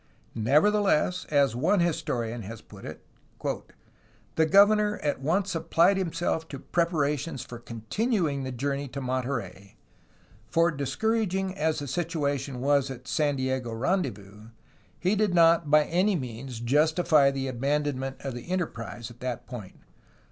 Nevertheless, as one historian has put it : "The governor at once applied himself to preparations for con tinuing the journey to Monterey; for discouraging as the situa tion was at the San Diego rendezvous, he did not by any means justify the abandonment of the enterprise at that point.